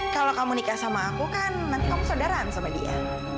kalau kamu nikah sama aku kan nanti kamu saudara sama dia